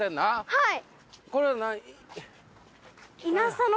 はい。